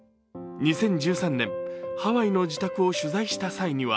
２０１３年、ハワイの自宅を取材した際には